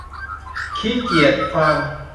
ขี้เกียจฟัง